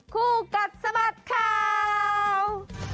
คู่กัดสะบัดข่าว